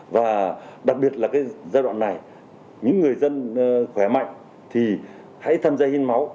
và đặc biệt là cái giai đoạn này những người dân khỏe mạnh thì hãy tham gia hiến máu